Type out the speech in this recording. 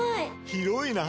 広いな！